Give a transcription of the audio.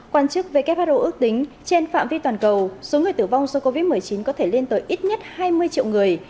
quan chức who ước tính trên phạm vi toàn cầu số người tử vong do covid một mươi chín có thể lên tới ít nhất hai mươi triệu người